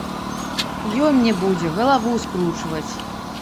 Ён мне будзе галаву скручваць!